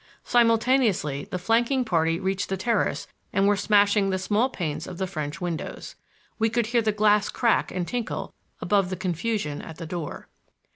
Simultaneously the flanking party reached the terrace and were smashing the small panes of the French windows. We could hear the glass crack and tinkle above the confusion at the door.